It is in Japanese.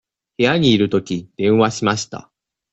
部屋にいるとき、電話しました。